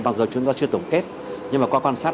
bao giờ chúng ta chưa tổng kết nhưng mà qua quan sát